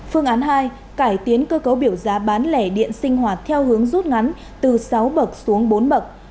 phương án hai cải tiến cơ cấu biểu giá bán lẻ điện sinh hoạt theo hướng rút ngắn từ sáu bậc xuống bốn bậc